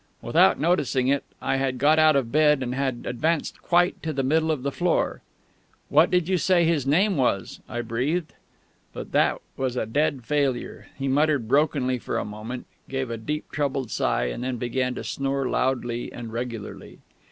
Without noticing it, I had got out of bed, and had advanced quite to the middle of the floor. "What did you say his name was?" I breathed. But that was a dead failure. He muttered brokenly for a moment, gave a deep troubled sigh, and then began to snore loudly and regularly.